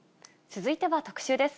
続いては特集です。